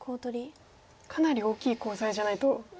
かなり大きいコウ材じゃないと。